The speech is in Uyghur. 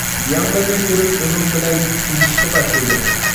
يەڭلىرىنى تۈرۈپ ئۇنىڭ بىلەن چېلىشىشقا باشلىدى.